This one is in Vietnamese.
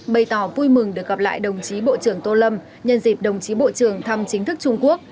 bày tỏ vui mừng được gặp lại đồng chí bộ trưởng tô lâm nhân dịp đồng chí bộ trưởng thăm chính thức trung quốc